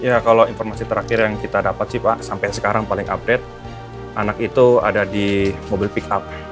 ya kalau informasi terakhir yang kita dapat sih pak sampai sekarang paling update anak itu ada di mobil pick up